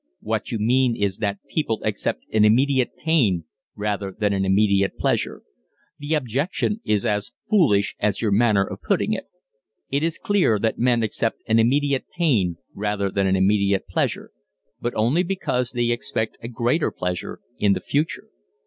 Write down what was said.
What you mean is that people accept an immediate pain rather than an immediate pleasure. The objection is as foolish as your manner of putting it. It is clear that men accept an immediate pain rather than an immediate pleasure, but only because they expect a greater pleasure in the future.